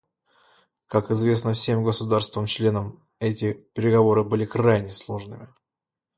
Как известно всем государствам-членам, эти переговоры были крайне сложными.